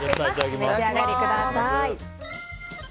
お召し上がりください。